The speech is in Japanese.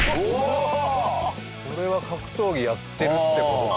これは格闘技やってるって事か。